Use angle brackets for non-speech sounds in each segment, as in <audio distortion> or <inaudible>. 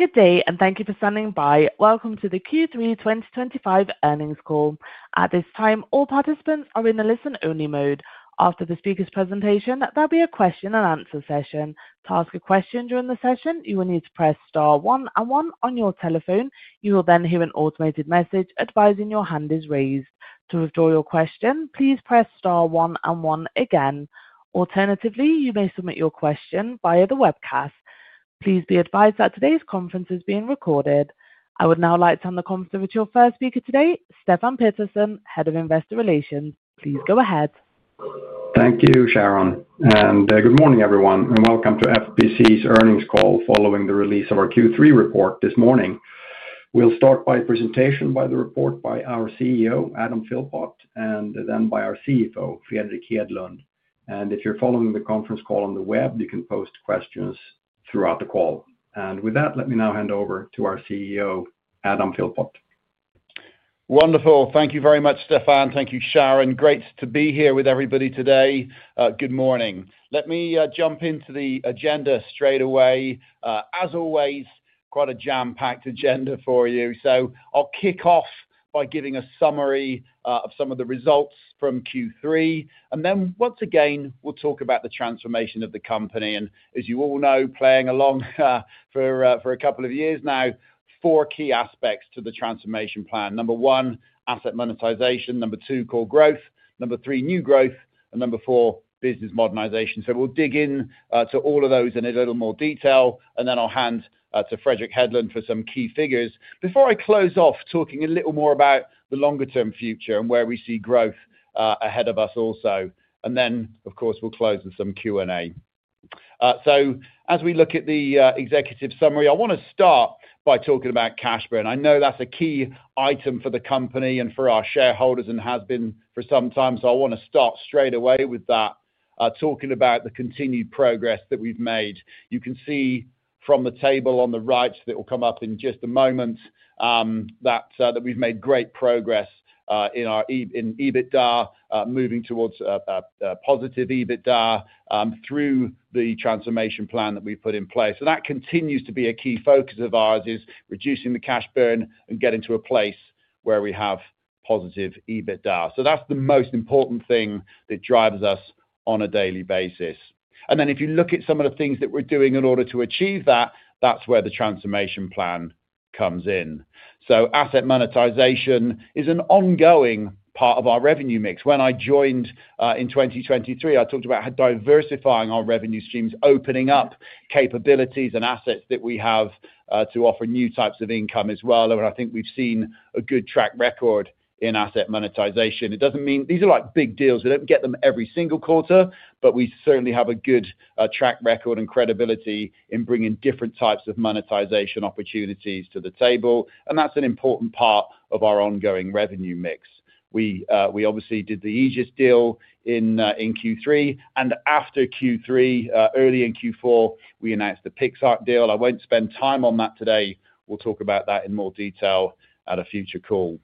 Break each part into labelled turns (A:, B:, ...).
A: Good day and thank you for standing by. Welcome to the Q3 2025 earnings call. At this time, all participants are in a listen-only mode. After the speaker's presentation, there will be a question and answer session. To ask a question during the session, you will need to press star one and one on your telephone. You will then hear an automated message advising your hand is raised. To withdraw your question, please press star one and one again. Alternatively, you may submit your question via the webcast. Please be advised that today's conference is being recorded. I would now like to hand the conference over to our first speaker today, Stefan Pettersson, Head of Investor Relations. Please go ahead.
B: Thank you, Sharon. Good morning, everyone, and welcome to FPC's earnings call following the release of our Q3 report this morning. We'll start with a presentation of the report by our CEO, Adam Philpott, followed by our CFO, Fredrik Hedlund. If you're following the conference call on the web, you can post questions throughout the call. With that, let me now hand over to our CEO, Adam Philpott.
C: Wonderful. Thank you very much, Stefan. Thank you, Sharon. Great to be here with everybody today. Good morning. Let me jump into the agenda straight away. As always, quite a jam-packed agenda for you. I'll kick off by giving a summary of some of the results from Q3. Once again, we'll talk about the transformation of the company. As you all know, playing along for a couple of years now, four key aspects to the transformation plan. Number one, asset monetization. Number two, core growth. Number three, new growth. Number four, business modernization. We'll dig into all of those in a little more detail. I'll hand to Fredrik Hedlund for some key figures. Before I close off, talking a little more about the longer-term future and where we see growth ahead of us also. Of course, we'll close with some Q&A. As we look at the executive summary, I want to start by talking about cash burn. I know that's a key item for the company and for our shareholders and has been for some time. I want to start straight away with that, talking about the continued progress that we've made. You can see from the table on the right, so that it will come up in just a moment, that we've made great progress in our EBITDA moving towards a positive EBITDA through the transformation plan that we put in place. That continues to be a key focus of ours is reducing the cash burn and getting to a place where we have positive EBITDA. That's the most important thing that drives us on a daily basis. If you look at some of the things that we're doing in order to achieve that, that's where the transformation plan comes in. Asset monetization is an ongoing part of our revenue mix. When I joined in 2023, I talked about how diversifying our revenue streams, opening up capabilities and assets that we have to offer new types of income as well. I think we've seen a good track record in asset monetization. It doesn't mean these are like big deals. We don't get them every single quarter, but we certainly have a good track record and credibility in bringing different types of monetization opportunities to the table. That's an important part of our ongoing revenue mix. We obviously did the Egis deal in Q3. After Q3, early in Q4, we announced the PixArt deal. I won't spend time on that today. We'll talk about that in more detail at a future call.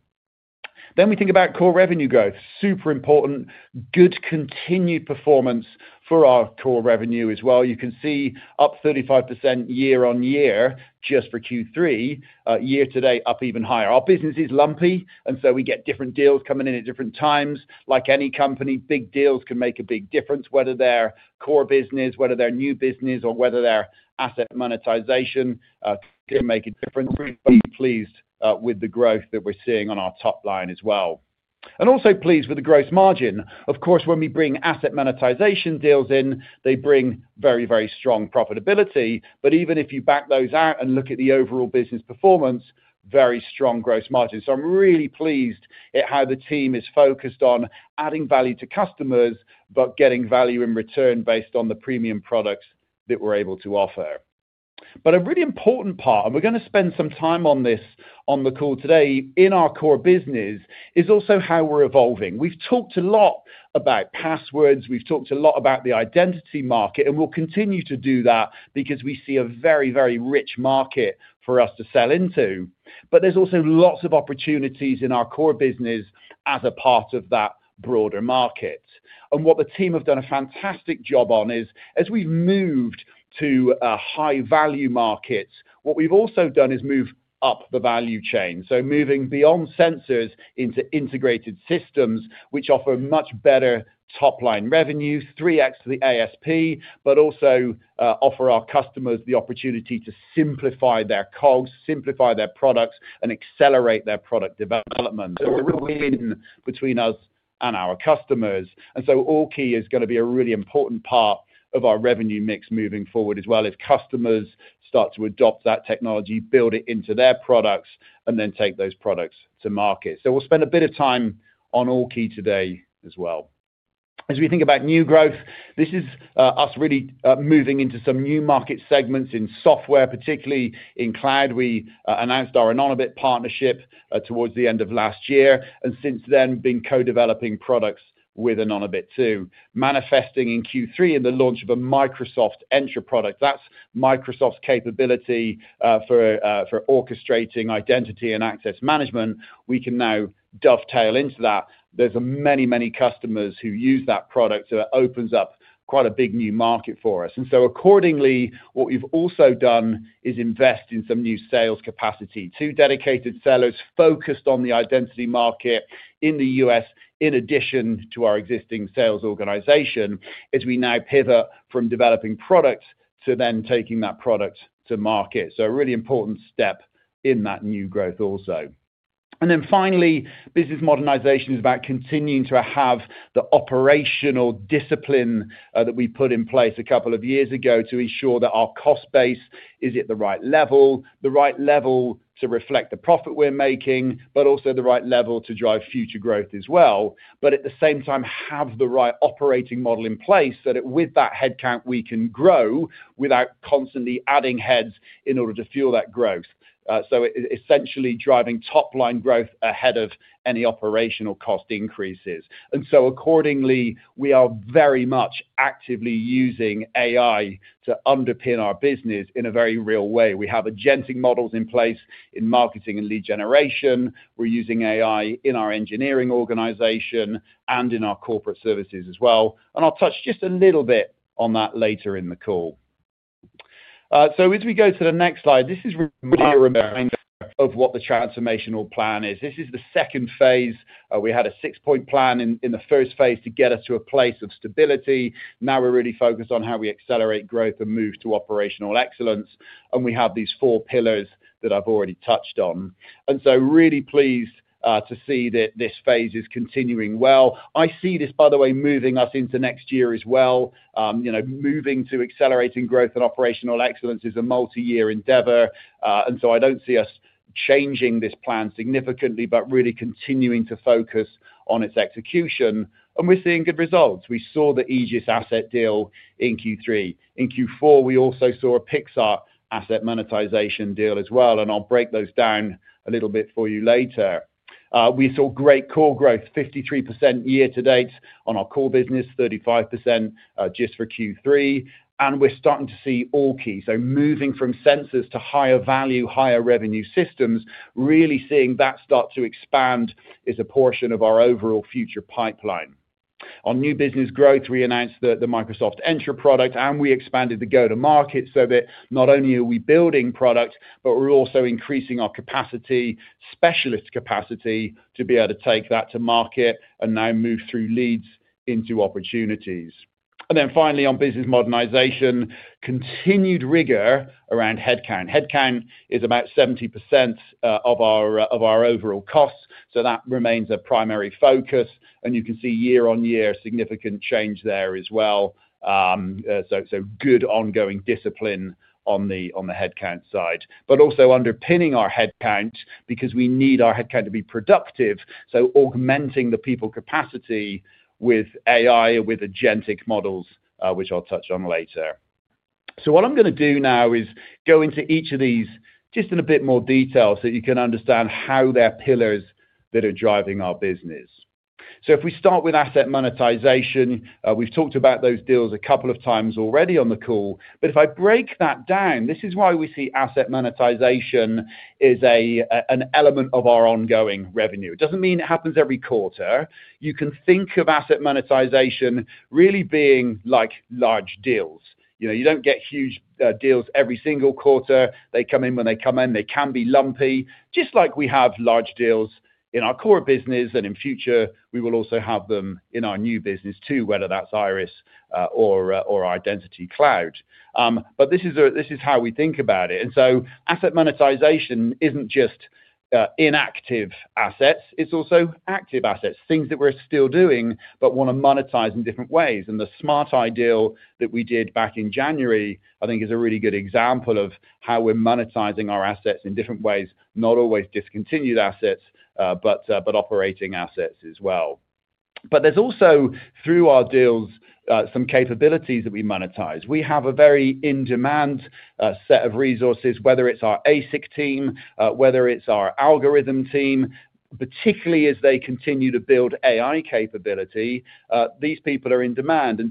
C: We think about core revenue growth. Super important. Good continued performance for our core revenue as well. You can see up 35% year-on-year just for Q3. Year to date, up even higher. Our business is lumpy, and we get different deals coming in at different times. Like any company, big deals can make a big difference, whether they're core business, whether they're new business, or whether they're asset monetization. They make a difference. We're really pleased with the growth that we're seeing on our top line as well, and also pleased with the gross margin. Of course, when we bring asset monetization deals in, they bring very, very strong profitability. Even if you back those out and look at the overall business performance, very strong gross margins. I'm really pleased at how the team is focused on adding value to customers, but getting value in return based on the premium products that we're able to offer. A really important part, and we're going to spend some time on this on the call today, in our core business is also how we're evolving. We've talked a lot about passwords. We've talked a lot about the identity market, and we'll continue to do that because we see a very, very rich market for us to sell into. There's also lots of opportunities in our core business as a part of that broader market. What the team have done a fantastic job on is, as we've moved to a high-value market, what we've also done is move up the value chain. Moving beyond sensors into integrated systems, which offer much better top-line revenues, 3x to the ASP, but also offer our customers the opportunity to simplify their costs, simplify their products, and accelerate their product development. <audio distortion> It's a real win between us and our customers. AllKey is going to be a really important part of our revenue mix moving forward as customers start to adopt that technology, build it into their products, and then take those products to market. We'll spend a bit of time on AllKey today as well. As we think about new growth, this is us really moving into some new market segments in software, particularly in cloud. We announced our Anonybit partnership towards the end of last year, and since then, been co-developing products with Anonybit too, manifesting in Q3 in the launch of a Microsoft Entra product. That's Microsoft's capability for orchestrating identity and access management. We can now dovetail into that. There's many, many customers who use that product. That opens up quite a big new market for us. Accordingly, what we've also done is invest in some new sales capacity. Two dedicated sellers focused on the identity market in the U.S. in addition to our existing sales organization as we now pivot from developing products to then taking that product to market. A really important step in that new growth also. Finally, business modernization is about continuing to have the operational discipline that we put in place a couple of years ago to ensure that our cost base is at the right level, the right level to reflect the profit we're making, but also the right level to drive future growth as well. At the same time, have the right operating model in place so that with that headcount, we can grow without constantly adding heads in order to fuel that growth. Essentially driving top-line growth ahead of any operational cost increases. Accordingly, we are very much actively using AI to underpin our business in a very real way. We have agentic models in place in marketing and lead generation. We're using AI in our engineering organization and in our corporate services as well. I'll touch just a little bit on that later in the call. As we go to the next slide, this is really a reminder of what the transformational plan is. This is the second phase. We had a six-point plan in the first phase to get us to a place of stability. Now we're really focused on how we accelerate growth and move to operational excellence. We have these four pillars that I've already touched on. Really pleased to see that this phase is continuing well. I see this, by the way, moving us into next year as well. Moving to accelerating growth and operational excellence is a multi-year endeavor. I don't see us changing this plan significantly, but really continuing to focus on its execution. We're seeing good results. We saw the Egis asset deal in Q3. In Q4, we also saw a PixArt asset monetization deal as well. I'll break those down a little bit for you later. We saw great core growth, 53% year-to-date on our core business, 35% just for Q3. We're starting to see AllKey. Moving from sensors to higher value, higher revenue systems, really seeing that start to expand as a portion of our overall future pipeline. On new business growth, we announced the Microsoft Entra product, and we expanded the go-to-market so that not only are we building product, but we're also increasing our capacity, specialist capacity to be able to take that to market and now move through leads into opportunities. Finally, on business modernization, continued rigor around headcount. Headcount is about 70% of our overall costs, so that remains a primary focus. You can see year-on-year significant change there as well. Good ongoing discipline on the headcount side, but also underpinning our headcount because we need our headcount to be productive. Augmenting the people capacity with AI or with agentic models, which I'll touch on later. What I'm going to do now is go into each of these just in a bit more detail so that you can understand how they're pillars that are driving our business. If we start with asset monetization, we've talked about those deals a couple of times already on the call. If I break that down, this is why we see asset monetization as an element of our ongoing revenue. It doesn't mean it happens every quarter. You can think of asset monetization really being like large deals. You don't get huge deals every single quarter. They come in when they come in. They can be lumpy, just like we have large deals in our core business and in future, we will also have them in our new business too, whether that's Iris or our identity cloud. This is how we think about it. Asset monetization isn't just inactive assets. It's also active assets, things that we're still doing but want to monetize in different ways. The Smart Eye deal that we did back in January, I think, is a really good example of how we're monetizing our assets in different ways, not always discontinued assets, but operating assets as well. Through our deals, some capabilities that we monetize. We have a very in-demand set of resources, whether it's our ASIC team, whether it's our algorithm team, particularly as they continue to build AI capability. These people are in demand.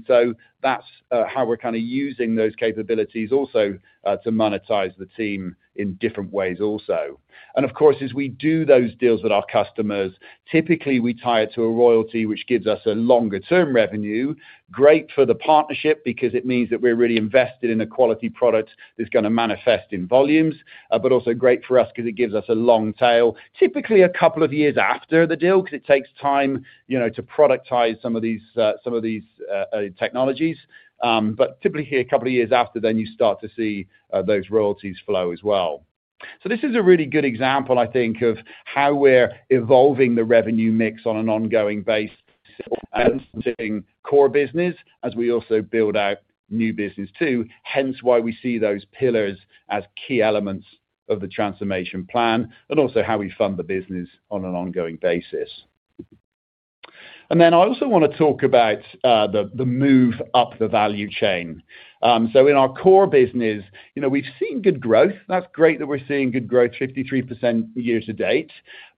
C: That's how we're kind of using those capabilities also to monetize the team in different ways also. Of course, as we do those deals with our customers, typically we tie it to a royalty, which gives us a longer-term revenue. Great for the partnership because it means that we're really invested in a quality product that's going to manifest in volumes, but also great for us because it gives us a long tail, typically a couple of years after the deal because it takes time to productize some of these technologies. Typically here, a couple of years after, then you start to see those royalties flow as well. This is a really good example, I think, of how we're evolving the revenue mix on an ongoing basis of core business as we also build out new business too. That is why we see those pillars as key elements of the transformation plan and also how we fund the business on an ongoing basis. I also want to talk about the move up the value chain. In our core business, you know we've seen good growth. That's great that we're seeing good growth, 53% year-to-date.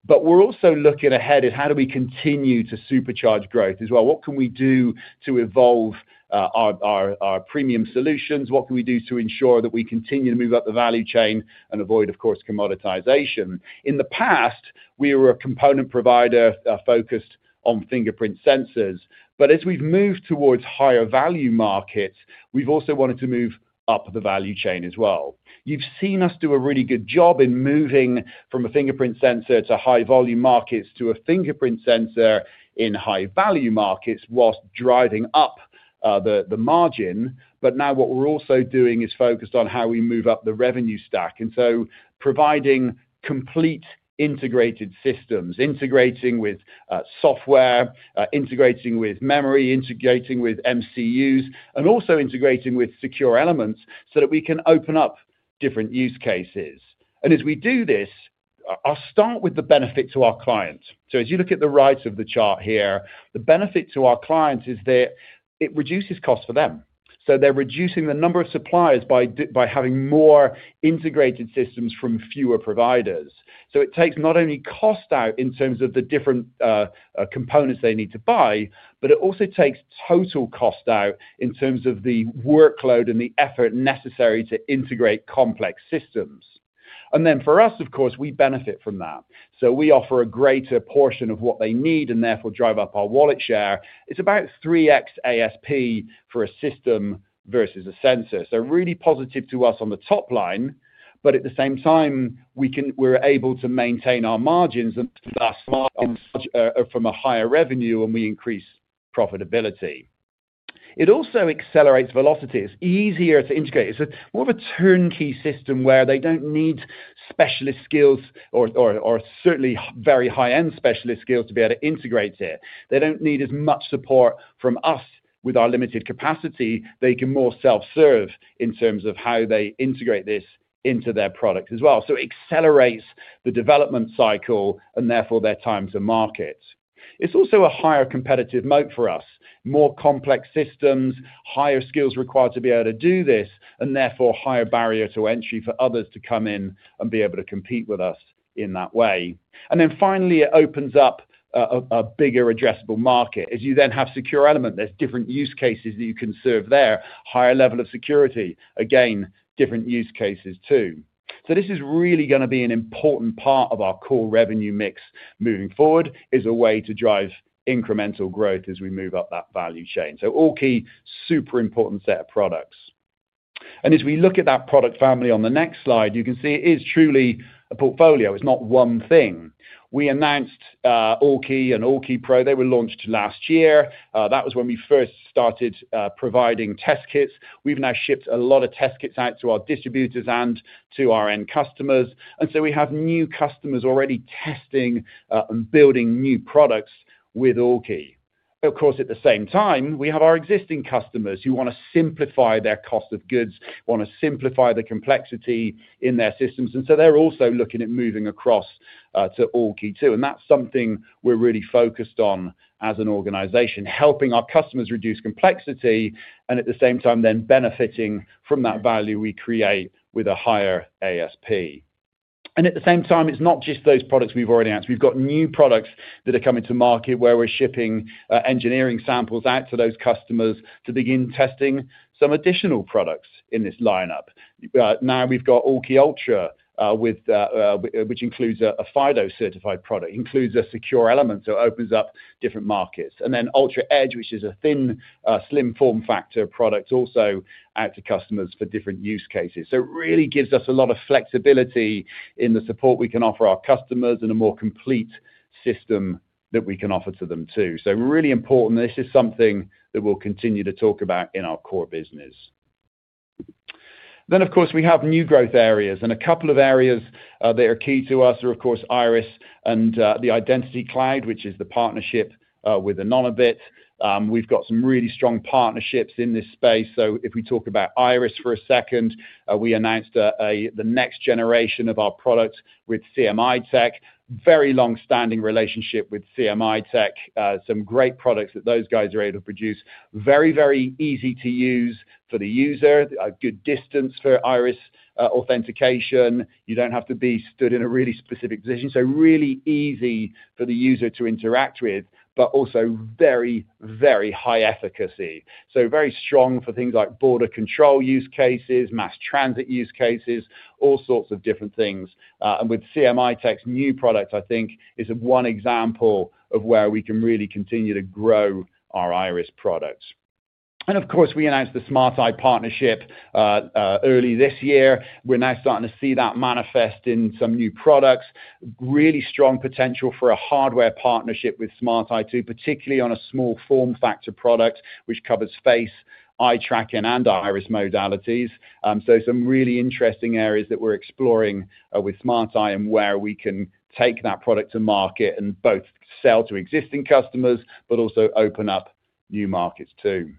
C: We're also looking ahead at how do we continue to supercharge growth as well. What can we do to evolve our premium solutions? What can we do to ensure that we continue to move up the value chain and avoid, of course, commoditization? In the past, we were a component provider focused on fingerprint sensors. As we've moved towards higher value markets, we've also wanted to move up the value chain as well. You've seen us do a really good job in moving from a fingerprint sensor to high volume markets to a fingerprint sensor in high value markets whilst driving up the margin. Now what we're also doing is focused on how we move up the revenue stack. Providing complete integrated systems, integrating with software, integrating with memory, integrating with MCUs, and also integrating with secure elements so that we can open up different use cases. As we do this, I'll start with the benefit to our client. As you look at the right of the chart here, the benefit to our client is that it reduces costs for them. They're reducing the number of suppliers by having more integrated systems from fewer providers. It takes not only cost out in terms of the different components they need to buy, but it also takes total cost out in terms of the workload and the effort necessary to integrate complex systems. For us, of course, we benefit from that. We offer a greater portion of what they need and therefore drive up our wallet share. It's about 3x ASP for a system versus a sensor. Really positive to us on the top line. At the same time, we're able to maintain our margins and from a higher revenue when we increase profitability. It also accelerates velocity. It's easier to integrate. It's more of a turnkey system where they don't need specialist skills or certainly very high-end specialist skills to be able to integrate it. They don't need as much support from us with our limited capacity. They can more self-serve in terms of how they integrate this into their product as well. It accelerates the development cycle and therefore their time to market. It's also a higher competitive moat for us, more complex systems, higher skills required to be able to do this, and therefore a higher barrier to entry for others to come in and be able to compete with us in that way. Finally, it opens up a bigger addressable market. As you then have secure element, there's different use cases that you can serve there, higher level of security, again, different use cases too. This is really going to be an important part of our core revenue mix moving forward as a way to drive incremental growth as we move up that value chain. AllKey, super important set of products. As we look at that product family on the next slide, you can see it is truly a portfolio. It's not one thing. We announced AllKey and AllKey Pro. They were launched last year. That was when we first started providing test kits. We've now shipped a lot of test kits out to our distributors and to our end customers. We have new customers already testing and building new products with AllKey. Of course, at the same time, we have our existing customers who want to simplify their cost of goods, want to simplify the complexity in their systems. They're also looking at moving across to AllKey too. That's something we're really focused on as an organization, helping our customers reduce complexity and at the same time then benefiting from that value we create with a higher ASP. At the same time, it's not just those products we've already announced. We've got new products that are coming to market where we're shipping engineering samples out to those customers to begin testing some additional products in this lineup. Now we've got AllKey Ultra, which includes a FIDO certified product, includes a secure element. It opens up different markets. Ultra Edge, which is a thin slim form factor product, also out to customers for different use cases. It really gives us a lot of flexibility in the support we can offer our customers and a more complete system that we can offer to them too. This is really important. This is something that we'll continue to talk about in our core business. Of course, we have new growth areas. A couple of areas that are key to us are, of course, Iris and the identity cloud, which is the partnership with Anonybit. We've got some really strong partnerships in this space. If we talk about Iris for a second, we announced the next generation of our product with CMITech. Very longstanding relationship with CMITech. Some great products that those guys are able to produce. Very, very easy to use for the user. A good distance for Iris authentication. You don't have to be stood in a really specific position. Really easy for the user to interact with, but also very, very high efficacy. Very strong for things like border control use cases, mass transit use cases, all sorts of different things. With CMITech's new products, I think it's one example of where we can really continue to grow our Iris products. We announced the Smart Eye partnership early this year. We're now starting to see that manifest in some new products. Really strong potential for a hardware partnership with Smart Eye too, particularly on a small form factor product, which covers face, eye tracking, and Iris modalities. Some really interesting areas that we're exploring with Smart Eye and where we can take that product to market and both sell to existing customers, but also open up new markets too.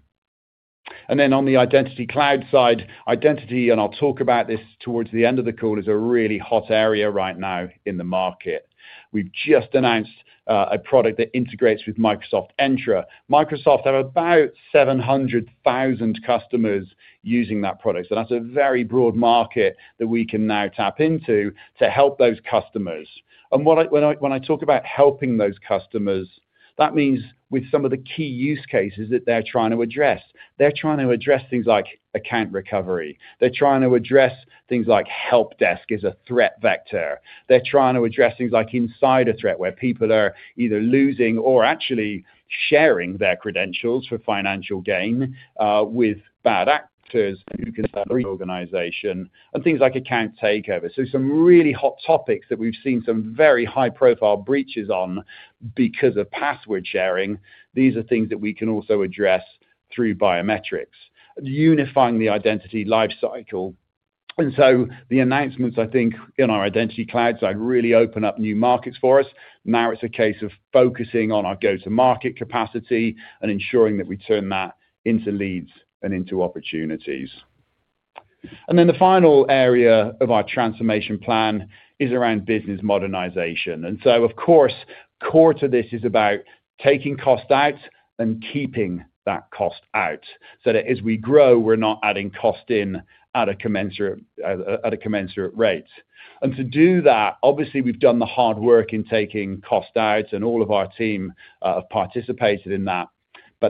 C: On the identity cloud side, identity, and I'll talk about this towards the end of the call, is a really hot area right now in the market. We've just announced a product that integrates with Microsoft Entra. Microsoft have about 700,000 customers using that product. That's a very broad market that we can now tap into to help those customers. When I talk about helping those customers, that means with some of the key use cases that they're trying to address. They're trying to address things like account recovery. They're trying to address things like help desk as a threat vector. They're trying to address things like insider threat, where people are either losing or actually sharing their credentials for financial gain with bad actors who can start an organization and things like account takeover. Some really hot topics that we've seen are some very high-profile breaches because of password sharing. These are things that we can also address through biometrics, unifying the identity lifecycle. The announcements, I think, on our identity cloud side really open up new markets for us. Now it's a case of focusing on our go-to-market capacity and ensuring that we turn that into leads and into opportunities. The final area of our transformation plan is around business modernization. Of course, core to this is about taking cost out and keeping that cost out so that as we grow, we're not adding cost in at a commensurate rate. To do that, obviously, we've done the hard work in taking cost out and all of our team have participated in that.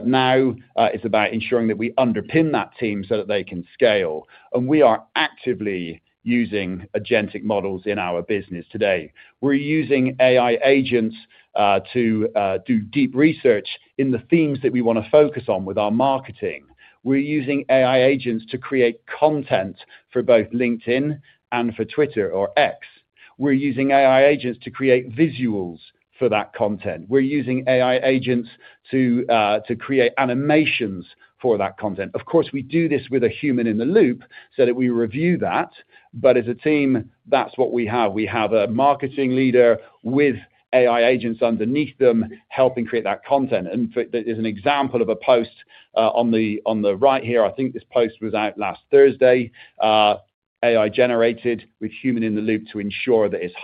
C: Now it's about ensuring that we underpin that team so that they can scale. We are actively using agentic models in our business today. We're using AI agents to do deep research in the themes that we want to focus on with our marketing. We're using AI agents to create content for both LinkedIn and for Twitter or X. We're using AI agents to create visuals for that content. We're using AI agents to create animations for that content. We do this with a human in the loop so that we review that. As a team, that's what we have. We have a marketing leader with AI agents underneath them helping create that content. As an example of a post on the right here, I think this post was out last Thursday, AI generated with human in the loop to ensure that it's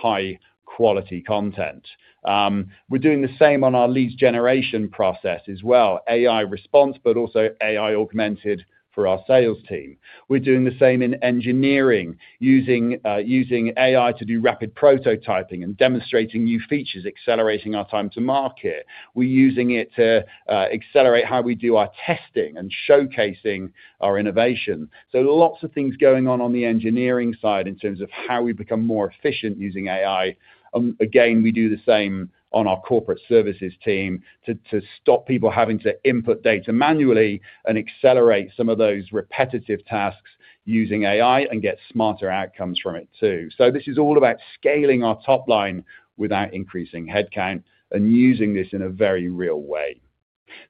C: high-quality content. We're doing the same on our leads generation process as well, AI response, but also AI augmented for our sales team. We're doing the same in engineering, using AI to do rapid prototyping and demonstrating new features, accelerating our time to market. We're using it to accelerate how we do our testing and showcasing our innovation. Lots of things are going on on the engineering side in terms of how we become more efficient using AI. Again, we do the same on our corporate services team to stop people having to input data manually and accelerate some of those repetitive tasks using AI and get smarter outcomes from it too. This is all about scaling our top line without increasing headcount and using this in a very real way.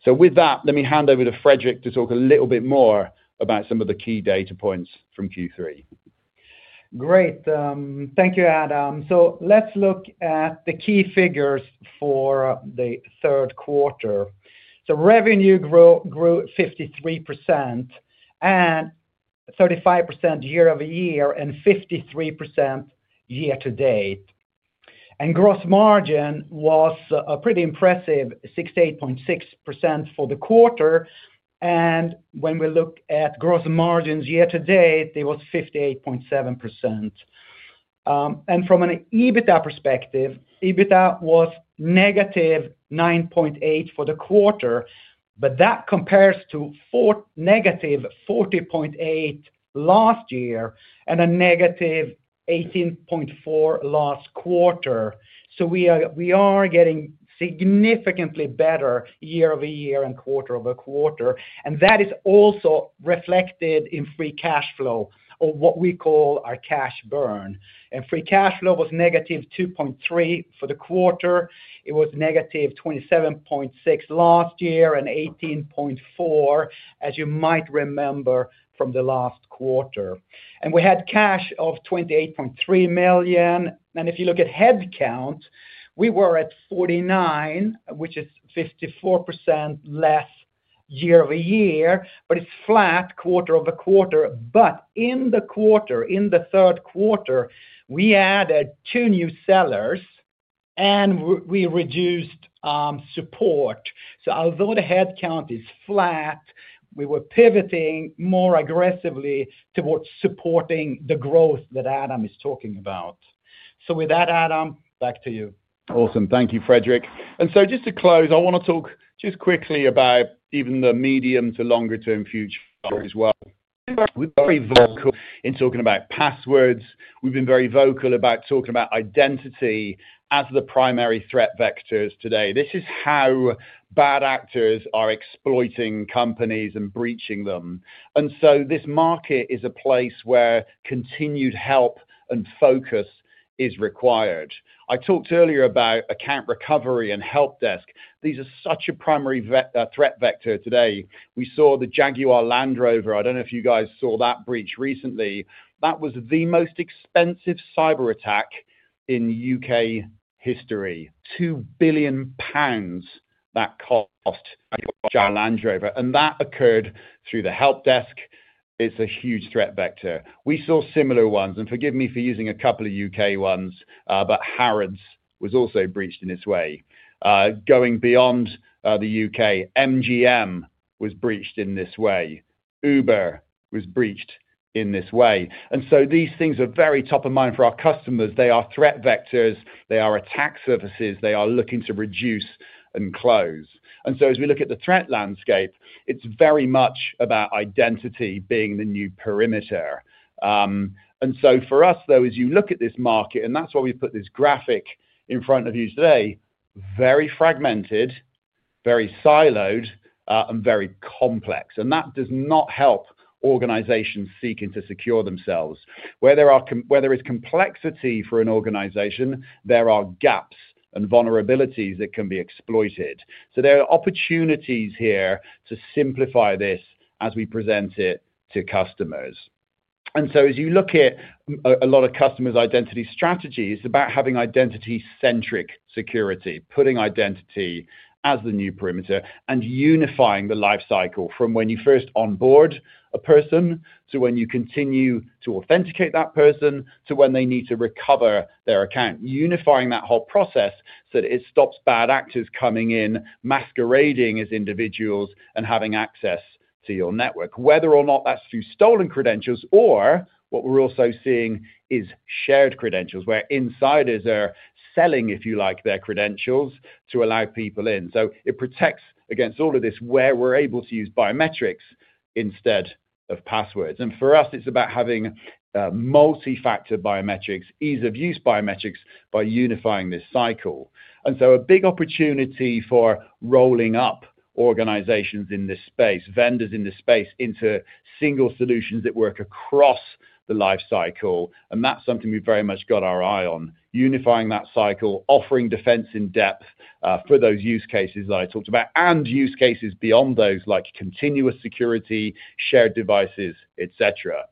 C: With that, let me hand over to Fredrik to talk a little bit more about some of the key data points from Q3.
D: Great. Thank you, Adam. Let's look at the key figures for the third quarter. Revenue grew 53% and 35% year-over-year and 53% year-to-date. Gross margin was pretty impressive, 68.6% for the quarter. When we look at gross margins year-to-date, it was 58.7%. From an EBITDA perspective, EBITDA was -9.8% for the quarter, which compares to -40.8% last year and -18.4% last quarter. We are getting significantly better year-over-year and quarter-over-quarter. That is also reflected in free cash flow, or what we call our cash burn. Free cash flow was -2.3% for the quarter. It was -27.6% last year and 18.4%, as you might remember from the last quarter. We had cash of $28.3 million. If you look at headcount, we were at 49, which is 54% less year-over-year, but it's flat quarter-over-quarter. In the third quarter, we added two new sellers and we reduced support. Although the headcount is flat, we were pivoting more aggressively towards supporting the growth that Adam is talking about. With that, Adam, back to you.
C: Awesome. Thank you, Fredrik. Just to close, I want to talk quickly about even the medium to longer-term future as well. We're very vocal in talking about passwords. We've been very vocal about talking about identity as the primary threat vectors today. This is how bad actors are exploiting companies and breaching them. This market is a place where continued help and focus is required. I talked earlier about account recovery and help desk. These are such a primary threat vector today. We saw the Jaguar Land Rover. I don't know if you guys saw that breach recently. That was the most expensive cyber attack in U.K. history. 2 billion pounds that cost Jaguar Land Rover. That occurred through the help desk. It's a huge threat vector. We saw similar ones. Forgive me for using a couple of U.K. ones, but Harrods was also breached in its way. Going beyond the U.K., MGM was breached in this way. Uber was breached in this way. These things are very top of mind for our customers. They are threat vectors. They are attack surfaces. They are looking to reduce and close. As we look at the threat landscape, it's very much about identity being the new perimeter. For us, though, as you look at this market, and that's why we put this graphic in front of you today, very fragmented, very siloed, and very complex. That does not help organizations seeking to secure themselves. Where there is complexity for an organization, there are gaps and vulnerabilities that can be exploited. There are opportunities here to simplify this as we present it to customers. As you look at a lot of customers' identity strategies, it's about having identity-centric security, putting identity as the new perimeter and unifying the lifecycle from when you first onboard a person to when you continue to authenticate that person to when they need to recover their account, unifying that whole process so that it stops bad actors coming in, masquerading as individuals and having access to your network, whether or not that's through stolen credentials or what we're also seeing is shared credentials where insiders are selling, if you like, their credentials to allow people in. It protects against all of this where we're able to use biometrics instead of passwords. For us, it's about having multi-factor biometrics, ease of use biometrics by unifying this cycle. A big opportunity exists for rolling up organizations in this space, vendors in this space into single solutions that work across the lifecycle. That is something we've very much got our eye on, unifying that cycle, offering defense in depth for those use cases that I talked about and use cases beyond those like continuous security, shared devices, et cetera.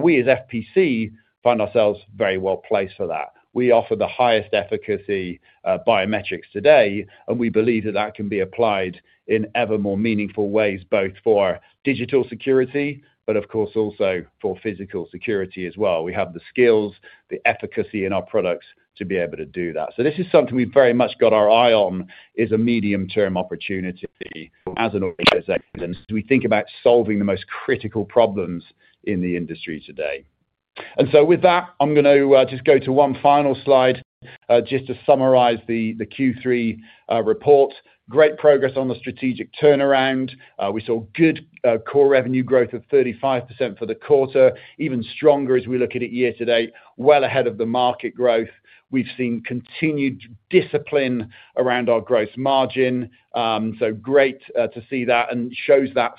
C: We as FPC find ourselves very well placed for that. We offer the highest efficacy biometrics today, and we believe that can be applied in ever more meaningful ways, both for digital security, but of course also for physical security as well. We have the skills, the efficacy in our products to be able to do that. This is something we've very much got our eye on as a medium-term opportunity as an organization as we think about solving the most critical problems in the industry today. With that, I'm going to just go to one final slide to summarize the Q3 report. Great progress on the strategic turnaround. We saw good core revenue growth of 35% for the quarter, even stronger as we look at it year-to-date, well ahead of the market growth. We've seen continued discipline around our gross margin. It is great to see that and shows that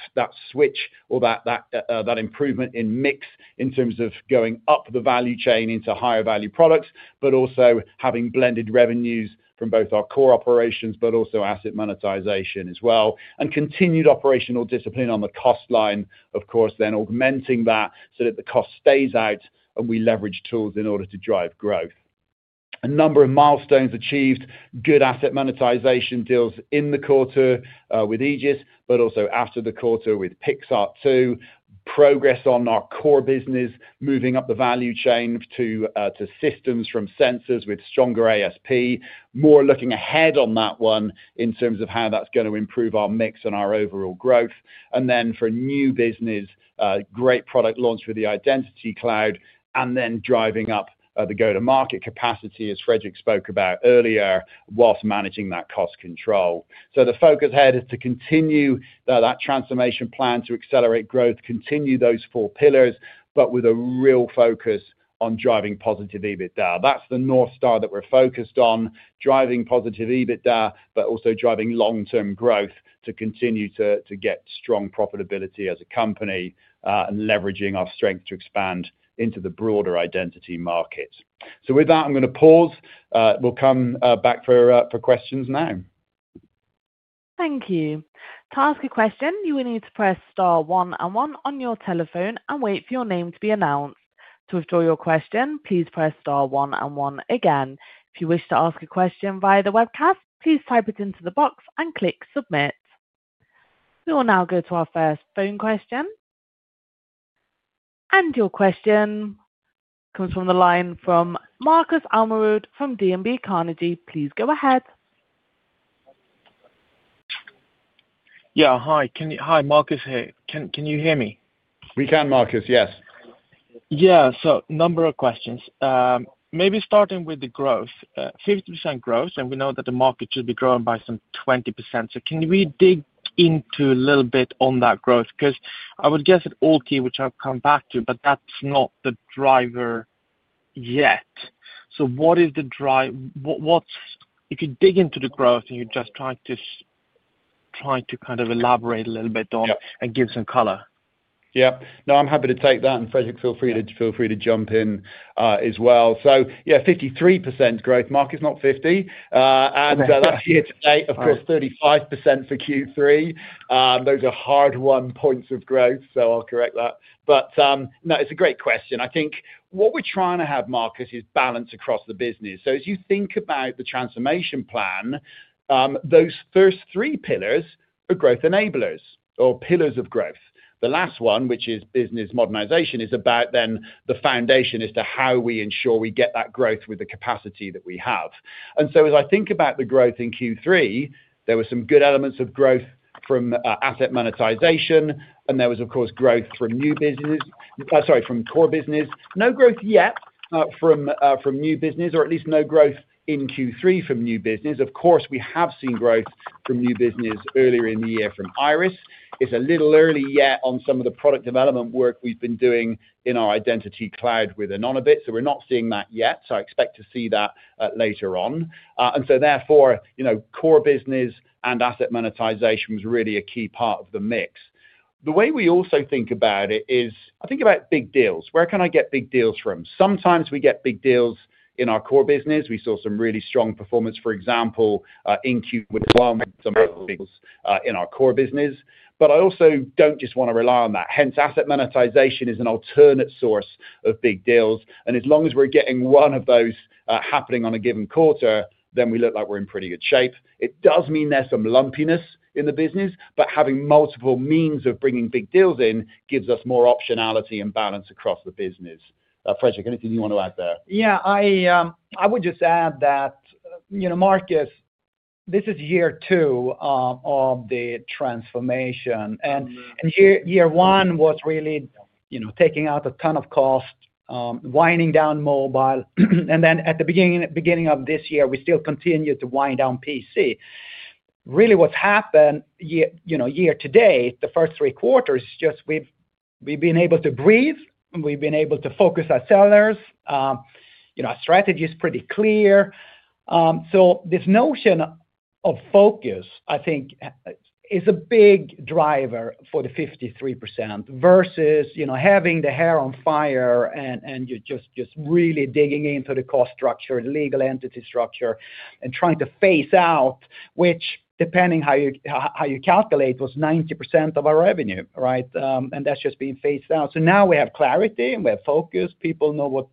C: switch or that improvement in mix in terms of going up the value chain into higher value products, but also having blended revenues from both our core operations and asset monetization as well, and continued operational discipline on the cost line, of course, then augmenting that so that the cost stays out and we leverage tools in order to drive growth. A number of milestones achieved, good asset monetization deals in the quarter with Egis, but also after the quarter with PixArt too. Progress on our core business, moving up the value chain to systems from sensors with stronger ASP, more looking ahead on that one in terms of how that's going to improve our mix and our overall growth. For a new business, a great product launch with the identity cloud and then driving up the go-to-market capacity, as Fredrik spoke about earlier, whilst managing that cost control. The focus ahead is to continue that transformation plan to accelerate growth, continue those four pillars, but with a real focus on driving positive EBITDA. That's the north star that we're focused on, driving positive EBITDA, but also driving long-term growth to continue to get strong profitability as a company and leveraging our strength to expand into the broader identity markets. I'm going to pause. We'll come back for questions now.
A: Thank you. To ask a question, you will need to press star one and one on your telephone and wait for your name to be announced. To withdraw your question, please press star one and one again. If you wish to ask a question via the webcast, please type it into the box and click submit. We will now go to our first phone question. Your question comes from the line of Markus Almerud from DNB Carnegie. Please go ahead.
E: Hi, Markus here. Can you hear me?
C: We can, Markus, yes.
E: Yeah, so a number of questions. Maybe starting with the growth, 50% growth, and we know that the market should be growing by some 20%. Can we dig into a little bit on that growth? I would guess at AllKey, which I'll come back to, but that's not the driver yet. What is the drive? If you dig into the growth and you're just trying to kind of elaborate a little bit on and give some color?
C: Yeah, no, I'm happy to take that, and Fredrik, feel free to jump in as well. So yeah, 53% growth. Markus, it's not 50%. And that's year-to-date, of course, 35% for Q3. Those are hard-won points of growth, so I'll correct that. It's a great question. I think what we're trying to have, Markus, is balance across the business. As you think about the transformation plan, those first three pillars are growth enablers or pillars of growth. The last one, which is business modernization, is about the foundation as to how we ensure we get that growth with the capacity that we have. As I think about the growth in Q3, there were some good elements of growth from asset monetization, and there was, of course, growth from core business. No growth yet from new business, or at least no growth in Q3 from new business. Of course, we have seen growth from new business earlier in the year from Iris. It's a little early yet on some of the product development work we've been doing in our identity cloud with Anonybit. We're not seeing that yet. I expect to see that later on. Therefore, core business and asset monetization was really a key part of the mix. The way we also think about it is I think about big deals. Where can I get big deals from? Sometimes we get big deals in our core business. We saw some really strong performance, for example, in Q1 <audio distortion> with some of those big deals in our core business. I also don't just want to rely on that. Hence, asset monetization is an alternate source of big deals. As long as we're getting one of those happening on a given quarter, then we look like we're in pretty good shape. It does mean there's some lumpiness in the business, but having multiple means of bringing big deals in gives us more optionality and balance across the business. Fredrik, anything you want to add there?
D: Yeah, I would just add that, you know, Markus, this is year two of the transformation. Year one was really, you know, taking out a ton of cost, winding down mobile. At the beginning of this year, we still continued to wind down PC. Really what's happened, you know, year-to-date, the first three quarters, is just we've been able to breathe. We've been able to focus our sellers. Our strategy is pretty clear. This notion of focus, I think, is a big driver for the 53% versus, you know, having the hair on fire and you're just really digging into the cost structure, the legal entity structure, and trying to phase out, which, depending on how you calculate, was 90% of our revenue, right? That's just being phased out. Now we have clarity and we have focus. People know what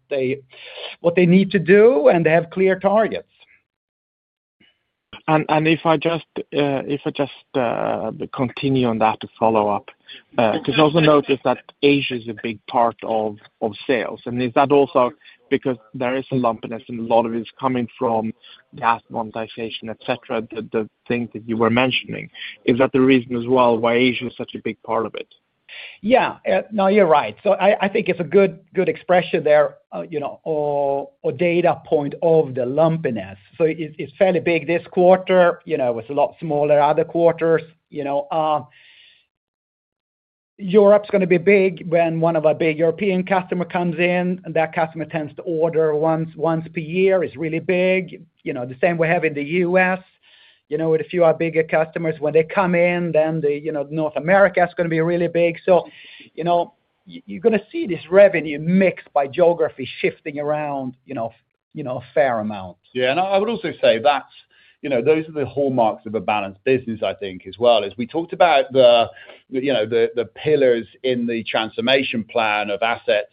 D: they need to do and they have clear targets.
E: If I just continue on that to follow up, because I also noticed that Asia is a big part of sales. Is that also because there is a lumpiness and a lot of it is coming from the asset monetization, et cetera, the thing that you were mentioning? Is that the reason as well why Asia is such a big part of it?
D: Yeah, no, you're right. I think it's a good expression there, you know, or data point of the lumpiness. It's fairly big this quarter. It's a lot smaller other quarters. Europe's going to be big when one of our big European customers comes in and that customer tends to order once per year. It's really big. The same we have in the U.S. With a few of our bigger customers, when they come in, then North America is going to be really big. You're going to see this revenue mix by geography shifting around a fair amount.
C: Yeah, I would also say that those are the hallmarks of a balanced business, I think, as well. As we talked about the pillars in the transformation plan of assets,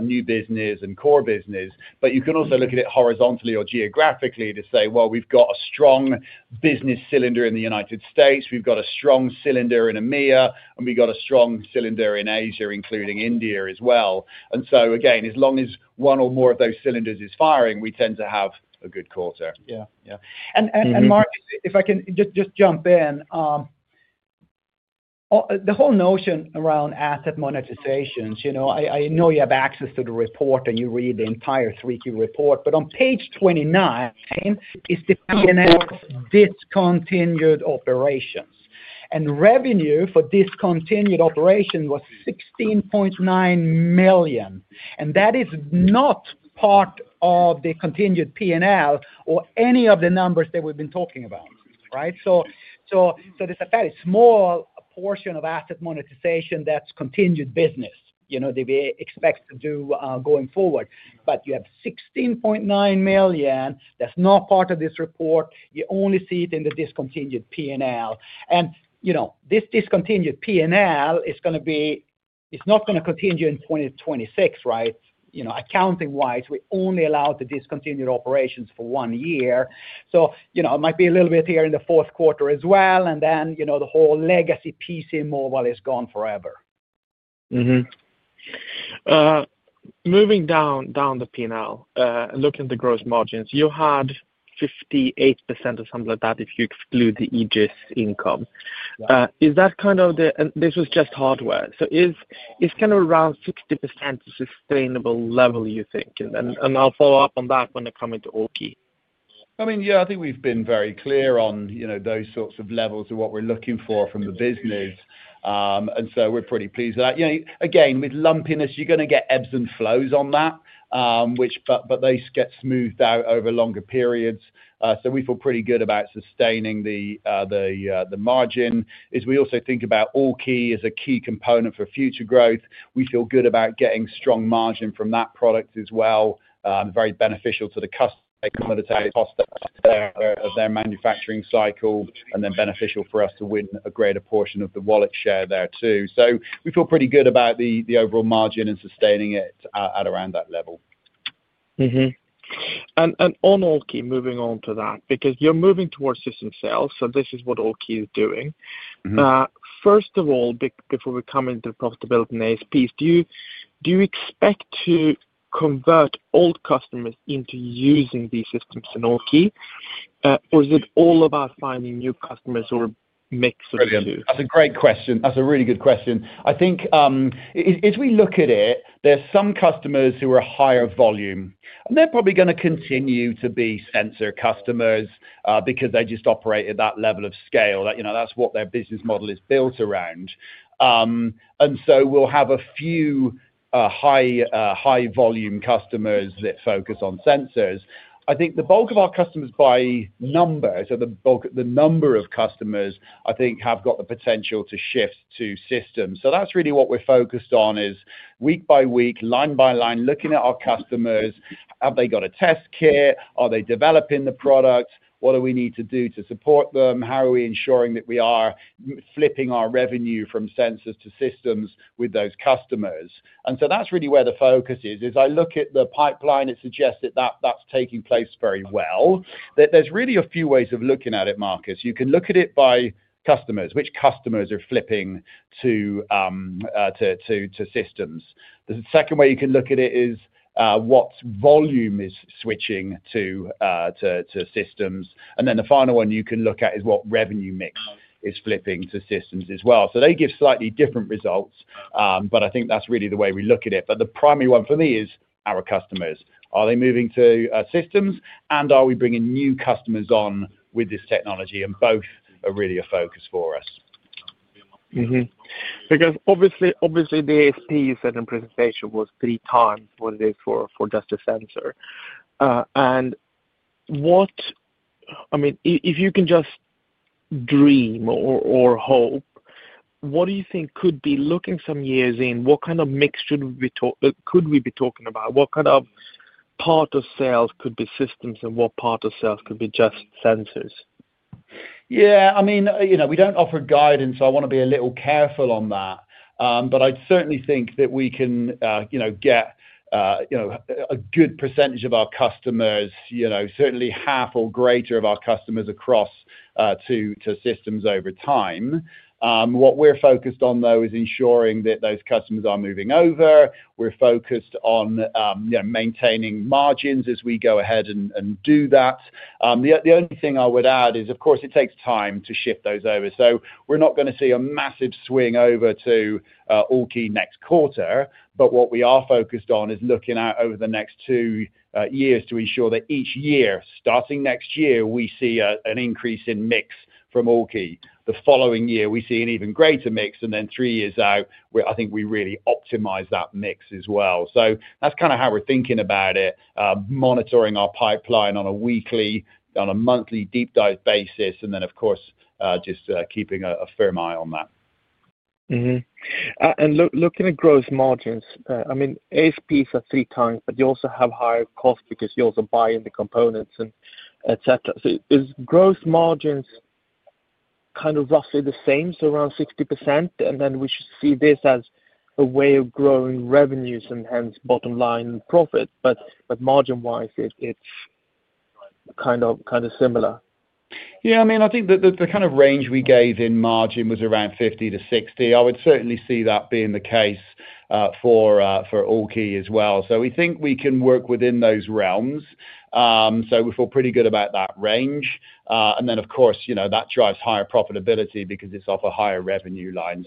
C: new business, and core business, you can also look at it horizontally or geographically to say we've got a strong business cylinder in the United States, we've got a strong cylinder in EMEA, and we've got a strong cylinder in Asia, including India as well. Again, as long as one or more of those cylinders is firing, we tend to have a good quarter.
E: Yeah, yeah. Markus, if I can just jump in, the whole notion around asset monetizations, you know, I know you have access to the report and you read the entire 3Q report, but on page 29, it's the P&L of discontinued operations. Revenue for discontinued operations was $16.9 million. That is not part of the continued P&L or any of the numbers that we've been talking about, right? There's a very small portion of asset monetization that's continued business, you know, that we expect to do going forward. You have $16.9 million that's not part of this report. You only see it in the discontinued P&L. This discontinued P&L is going to be, it's not going to continue in 2026, right? Accounting-wise, we only allowed the discontinued operations for one year. It might be a little bit here in the fourth quarter as well. The whole legacy PC mobile is gone forever. Mm-hmm. Moving down the P&L and looking at the gross margins, you had 58% or something like that if you exclude the Egis income. Is that kind of the, and this was just hardware. Is kind of around 60% a sustainable level, you think? I'll follow up on that when I come into AllKey.
C: I mean, yeah, I think we've been very clear on, you know, those sorts of levels of what we're looking for from the business. We're pretty pleased with that. You know, with lumpiness, you're going to get ebbs and flows on that, which get smoothed out over longer periods. We feel pretty good about sustaining the margin. As we also think about AllKey as a key component for future growth, we feel good about getting strong margin from that product as well. Very beneficial to the customer because of their manufacturing cycle and then beneficial for us to win a greater portion of the wallet share there too. We feel pretty good about the overall margin and sustaining it at around that level.
E: On AllKey, moving on to that, because you're moving towards system sales, this is what AllKey is doing. First of all, before we come into the profitability and ASPs, do you expect to convert old customers into using these systems in AllKey? Is it all about finding new customers or a mix of the two?
C: That's a great question. That's a really good question. I think as we look at it, there's some customers who are higher volume. They're probably going to continue to be sensor customers because they just operate at that level of scale. That's what their business model is built around. We will have a few high-volume customers that focus on sensors. I think the bulk of our customers by number, so the number of customers, have got the potential to shift to systems. That's really what we're focused on, week by week, line by line, looking at our customers. Have they got a test kit? Are they developing the product? What do we need to do to support them? How are we ensuring that we are flipping our revenue from sensors to systems with those customers? That's really where the focus is. As I look at the pipeline, it suggests that that's taking place very well. There are really a few ways of looking at it, Markus. You can look at it by customers, which customers are flipping to systems. The second way you can look at it is what volume is switching to systems. The final one you can look at is what revenue mix is flipping to systems as well. They give slightly different results, but I think that's really the way we look at it. The primary one for me is our customers. Are they moving to systems? Are we bringing new customers on with this technology? Both are really a focus for us.
E: Because obviously, the ASP you said in presentation was 3x, was it for just a sensor? If you can just dream or hope, what do you think could be looking some years in? What kind of mix should we be talking about? What kind of part of sales could be systems and what part of sales could be just sensors?
C: Yeah, I mean, you know, we don't offer guidance, so I want to be a little careful on that. I certainly think that we can, you know, get a good percentage of our customers, certainly half or greater of our customers across to systems over time. What we're focused on, though, is ensuring that those customers are moving over. We're focused on maintaining margins as we go ahead and do that. The only thing I would add is, of course, it takes time to shift those over. We are not going to see a massive swing over to AllKey next quarter. What we are focused on is looking out over the next two years to ensure that each year, starting next year, we see an increase in mix from AllKey. The following year, we see an even greater mix. Three years out, I think we really optimize that mix as well. That's kind of how we're thinking about it, monitoring our pipeline on a weekly, on a monthly deep dive basis, and of course, just keeping a firm eye on that.
E: Looking at gross margins, I mean, ASPs are 3x, but you also have higher cost because you're also buying the components, et cetera. Is gross margins kind of roughly the same, so around 60%? We should see this as a way of growing revenues and hence bottom line profit, but margin-wise, it's kind of similar.
C: Yeah, I mean, I think that the kind of range we gave in margin was around 50% -60%. I would certainly see that being the case for AllKey as well. We think we can work within those realms. We feel pretty good about that range. Of course, you know, that drives higher profitability because it's off a higher revenue line.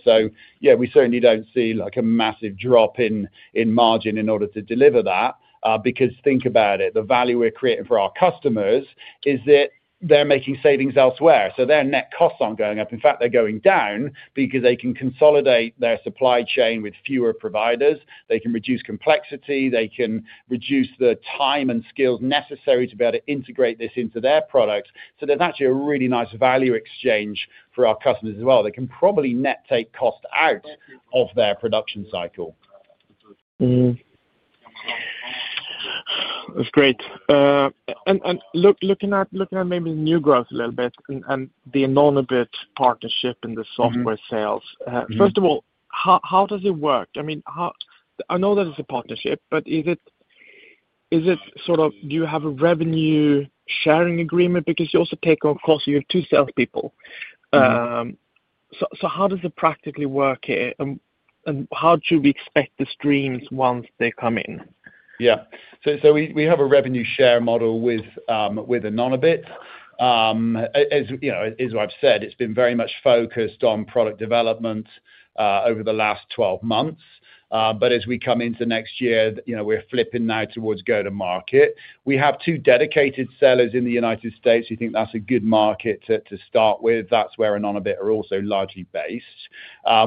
C: We certainly don't see like a massive drop in margin in order to deliver that because think about it, the value we're creating for our customers is that they're making savings elsewhere. Their net costs aren't going up. In fact, they're going down because they can consolidate their supply chain with fewer providers. They can reduce complexity. They can reduce the time and skills necessary to be able to integrate this into their product. There's actually a really nice value exchange for our customers as well. They can probably net take cost out of their production cycle.
E: That's great. Looking at maybe new growth a little bit and the Anonybit partnership in the software sales, first of all, how does it work? I mean, I know that it's a partnership, but is it sort of, do you have a revenue sharing agreement? Because you also take on costs. You have two salespeople. How does it practically work here, and how do we expect the streams once they come in?
C: Yeah. We have a revenue share model with Anonybit. As I've said, it's been very much focused on product development over the last 12 months. As we come into next year, we're flipping now towards go-to-market. We have two dedicated sellers in the United States. We think that's a good market to start with. That's where Anonybit are also largely based.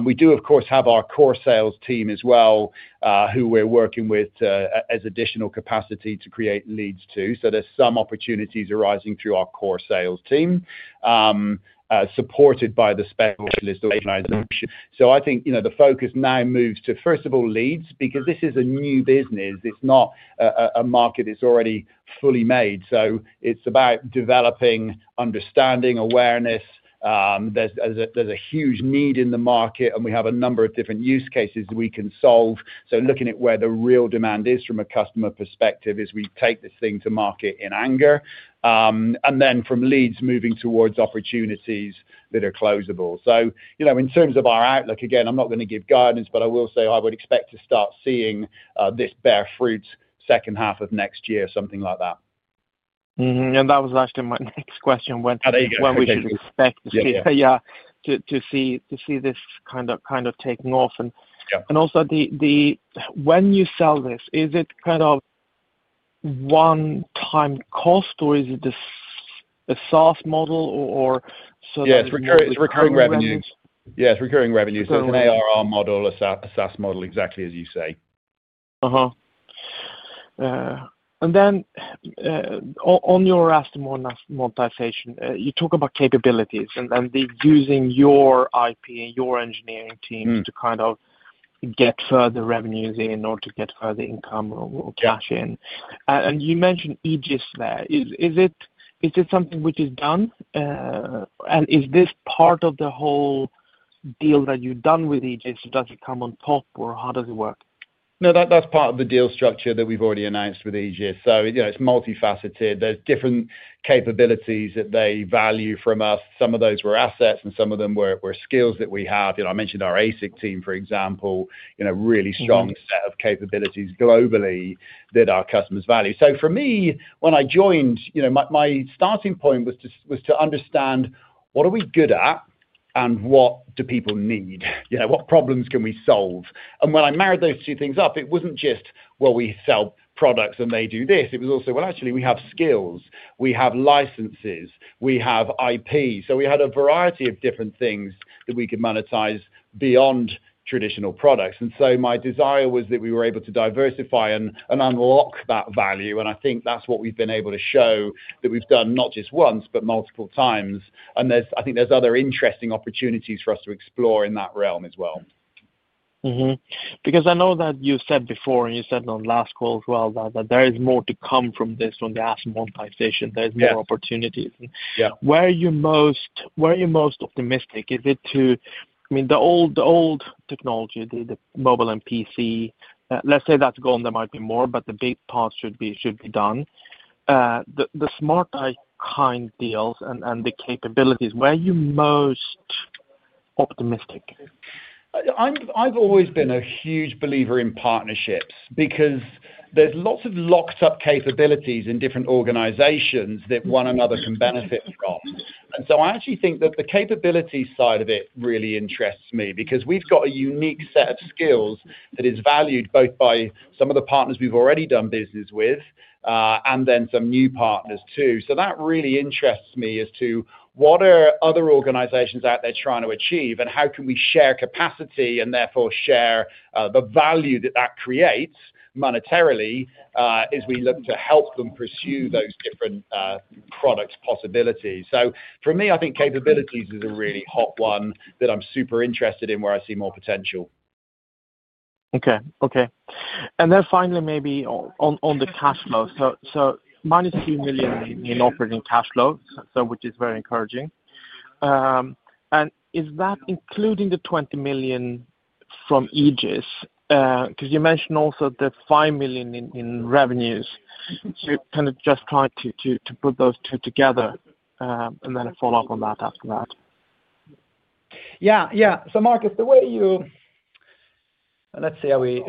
C: We do, of course, have our core sales team as well, who we're working with as additional capacity to create leads too. There are some opportunities arising through our core sales team, supported by the [specialist organization]. I think the focus now moves to, first of all, leads, because this is a new business. It's not a market that's already fully made. It's about developing, understanding, awareness. There's a huge need in the market, and we have a number of different use cases that we can solve. Looking at where the real demand is from a customer perspective as we take this thing to market in anger. From leads, moving towards opportunities that are closable. In terms of our outlook, again, I'm not going to give guidance, but I will say I would expect to start seeing this bear fruit second half of next year, something like that.
E: That was actually my next question, when we should expect to see this kind of taking off. Also, when you sell this, is it kind of one-time cost or is it a SaaS model or sort of?
C: Yeah, it's recurring revenues. It's recurring revenues. It's an ARR model, a SaaS model, exactly as you say.
E: On your asset monetization, you talk about capabilities and then using your IP and your engineering team to kind of get further revenues in or to get further income or cash in. You mentioned Egis there. Is it something which is done? Is this part of the whole deal that you've done with Egis? Does it come on top or how does it work?
C: No, that's part of the deal structure that we've already announced with Egis. It's multifaceted. There are different capabilities that they value from us. Some of those were assets and some of them were skills that we have. I mentioned our ASIC team, for example, a really strong set of capabilities globally that our customers value. For me, when I joined, my starting point was to understand what are we good at and what do people need? What problems can we solve? When I married those two things up, it wasn't just, well, we sell products and they do this. It was also, actually we have skills, we have licenses, we have IP. We had a variety of different things that we could monetize beyond traditional products. My desire was that we were able to diversify and unlock that value. I think that's what we've been able to show that we've done not just once, but multiple times. I think there are other interesting opportunities for us to explore in that realm as well.
E: Because I know that you said before, and you said on last call as well, that there is more to come from this from the asset monetization. There's more opportunities. Where are you most optimistic? Is it to, I mean, the old technology, the mobile and PC, let's say that's gone, there might be more, but the big parts should be done. The Smart Eye kind deals and the capabilities, where are you most optimistic?
C: I've always been a huge believer in partnerships because there's lots of locked-up capabilities in different organizations that one another can benefit from. I actually think that the capabilities side of it really interests me because we've got a unique set of skills that is valued both by some of the partners we've already done business with and then some new partners too. That really interests me as to what are other organizations out there trying to achieve and how can we share capacity and therefore share the value that that creates monetarily as we look to help them pursue those different product possibilities. For me, I think capabilities is a really hot one that I'm super interested in where I see more potential.
E: Okay, okay. And then finally, maybe on the cash flow. So minus $2 million in operating cash flow, which is very encouraging. Is that including the $20 million from Egis? Because you mentioned also the $5 million in revenues. Kind of just trying to put those two together and then follow up on that after that.
D: Yeah, yeah. So Markus, the way you, let's see, are we,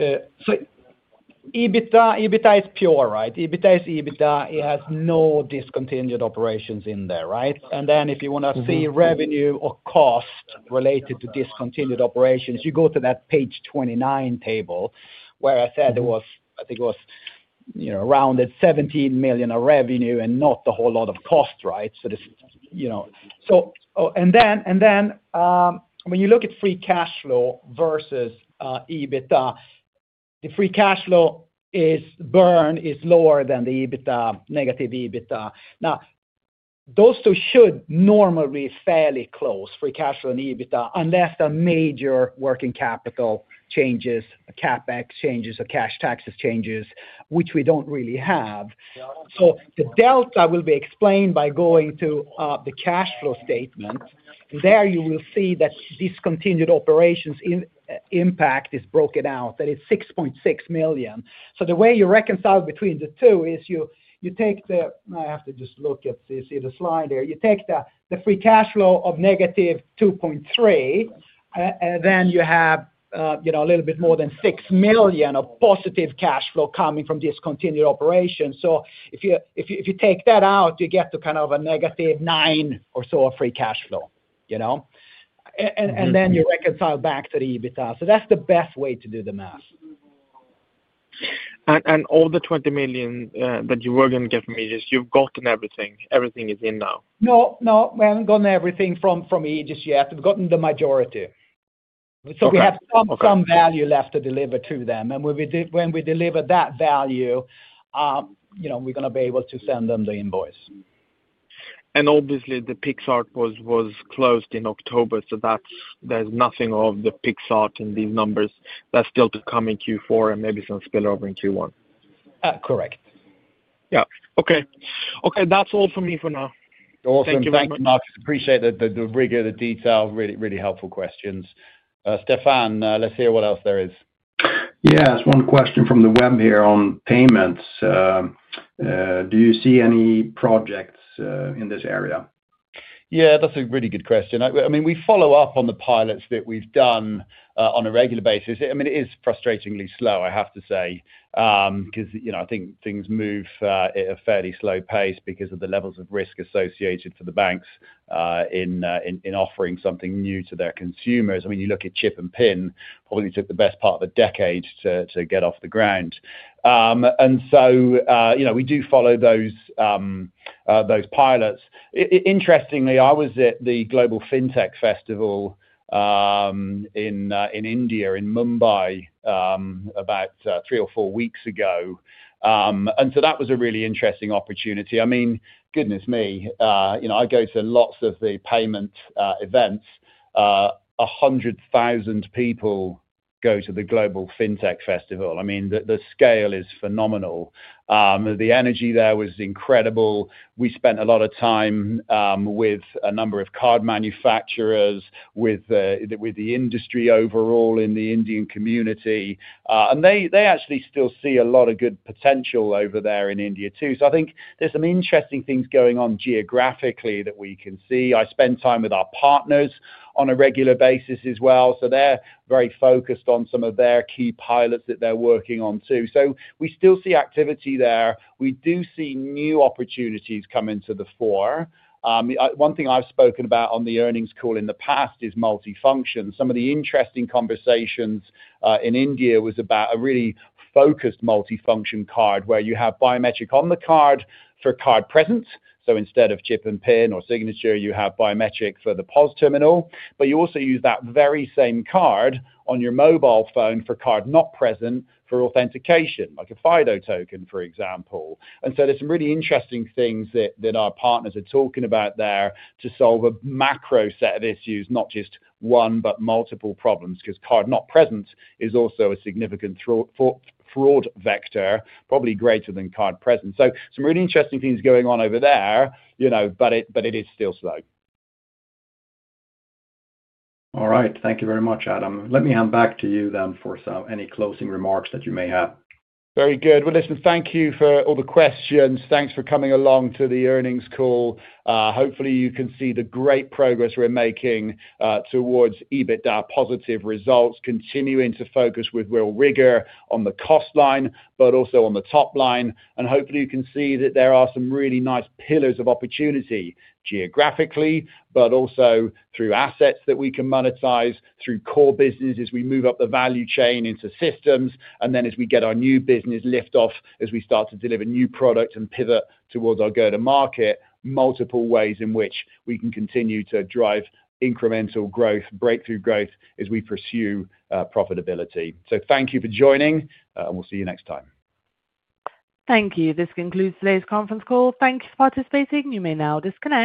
D: so EBITDA is pure, right? EBITDA is EBITDA. It has no discontinued operations in there, right? If you want to see revenue or cost related to discontinued operations, you go to that page 29 table where I said it was, I think it was, you know, rounded $17 million of revenue and not a whole lot of cost, right? When you look at free cash flow versus EBITDA, the free cash flow is burned, is lower than the EBITDA, negative EBITDA. Those two should normally be fairly close, free cash flow and EBITDA, unless there are major working capital changes, CapEx changes, or cash taxes changes, which we don't really have. The delta will be explained by going to the cash flow statement. There you will see that discontinued operations impact is broken out, that it's $6.6 million. The way you reconcile between the two is you take the, I have to just look at this, see the slide there. You take the free cash flow of -$2.3 million, and then you have, you know, a little bit more than $6 million of positive cash flow coming from discontinued operations. If you take that out, you get to kind of a -$9 million or so of free cash flow, you know. Then you reconcile back to the EBITDA. That's the best way to do the math.
E: All the $20 million that you were going to get from Egis, you've gotten everything. Everything is in now.
D: No, no, we haven't gotten everything from Egis yet. We've gotten the majority. We have some value left to deliver to them. When we deliver that value, we're going to be able to send them the invoice.
E: Obviously, the PixArt was closed in October. There's nothing of the PixArt in these numbers. That's still to come in Q4 and maybe some spillover in Q1.
D: Correct.
E: Yeah. Okay. Okay. That's all for me for now. Awesome.
C: Thank you, Markus. Appreciate the rigor, the detail. Really, really helpful questions. Stefan, let's hear what else there is.
B: Yeah, it's one question from the web here on payments. Do you see any projects in this area?
C: Yeah, that's a really good question. I mean, we follow up on the pilots that we've done on a regular basis. It is frustratingly slow, I have to say, because, you know, I think things move at a fairly slow pace because of the levels of risk associated for the banks in offering something new to their consumers. You look at chip and pin, probably took the best part of a decade to get off the ground. We do follow those pilots. Interestingly, I was at the Global Fintech Festival in India, in Mumbai, about three or four weeks ago. That was a really interesting opportunity. Goodness me, I go to lots of the payment events. 100,000 people go to the Global Fintech Festival. The scale is phenomenal. The energy there was incredible. We spent a lot of time with a number of card manufacturers, with the industry overall in the Indian community. They actually still see a lot of good potential over there in India too. I think there's some interesting things going on geographically that we can see. I spend time with our partners on a regular basis as well. They're very focused on some of their key pilots that they're working on too. We still see activity there. We do see new opportunities come into the fore. One thing I've spoken about on the earnings call in the past is multifunction. Some of the interesting conversations in India were about a really focused multifunction card where you have biometric on the card for card presence. Instead of chip and pin or signature, you have biometric for the POS terminal. You also use that very same card on your mobile phone for card not present for authentication, like a FIDO token, for example. There are some really interesting things that our partners are talking about there to solve a macro set of issues, not just one, but multiple problems, because card not present is also a significant fraud vector, probably greater than card presence. Some really interesting things going on over there, you know, but it is still slow.
B: All right. Thank you very much, Adam. Let me hand back to you for any closing remarks that you may have.
C: Very good. Thank you for all the questions. Thanks for coming along to the earnings call. Hopefully, you can see the great progress we're making towards EBITDA positive results, continuing to focus with real rigor on the cost line, but also on the top line. Hopefully, you can see that there are some really nice pillars of opportunity geographically, but also through assets that we can monetize, through core business as we move up the value chain into systems. As we get our new business lift off, as we start to deliver new products and pivot towards our go-to-market, there are multiple ways in which we can continue to drive incremental growth, breakthrough growth as we pursue profitability. Thank you for joining, and we'll see you next time.
A: Thank you. This concludes today's conference call. Thank you for participating. You may now disconnect.